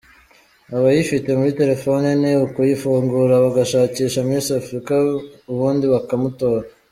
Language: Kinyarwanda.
Abayifite muri terefone ni ukuyifungura bagashakisha Miss Africa ubundi bakamutora.